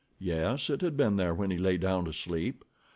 Yes, it had been there when he lay down to sleep.